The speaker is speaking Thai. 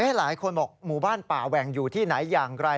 หลายคนบอกหมู่บ้านป่าแหว่งอยู่ที่ไหนอย่างไร